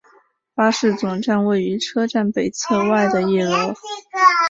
巴士总站位于车站北侧外的一楼。